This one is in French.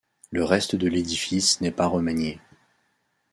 Le reste de l’édifice n’est pas remanié.